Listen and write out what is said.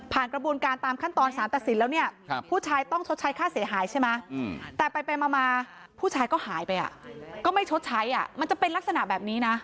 กระบวนการตามขั้นตอนสารตัดสินแล้วเนี่ยผู้ชายต้องชดใช้ค่าเสียหายใช่ไหมแต่ไปมาผู้ชายก็หายไปก็ไม่ชดใช้มันจะเป็นลักษณะแบบนี้นะ